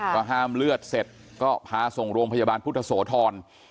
ก็ห้ามเลือดเสร็จก็พาส่งโรงพยาบาลพุทธโสธร